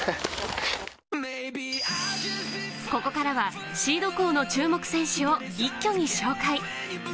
ここからはシード校の注目選手を一挙に紹介。